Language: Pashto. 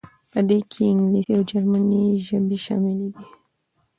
په دې کې انګلیسي او جرمني ژبې شاملې دي.